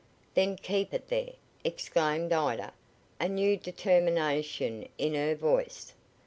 "Then keep it there!" exclaimed Ida, a new determination in her voice.